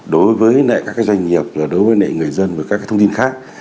đối với các doanh nghiệp đối với người dân với các thông tin khác